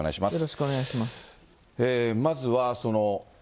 よろしくお願いします。